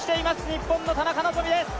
日本の田中希実です